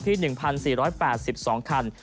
ที่๑๔๘๒คัน